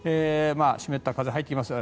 湿った風が入ってきます。